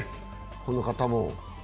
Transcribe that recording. この方も。